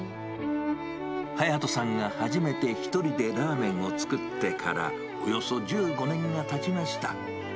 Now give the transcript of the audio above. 隼人さんが初めて１人でラーメンを作ってから、およそ１５年がたちました。